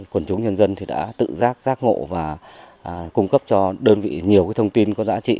quần chúng nhân dân đã tự giác giác ngộ và cung cấp cho đơn vị nhiều thông tin có giá trị